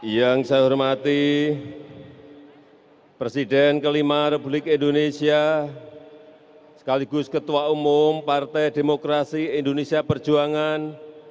yang saya hormati presiden kelima republik indonesia sekaligus ketua umum partai demokrasi indonesia perjuangan